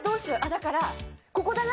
だから、ここだな。